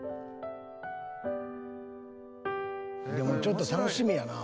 でもちょっと楽しみやなぁ。